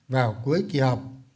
vào cuối kỳ học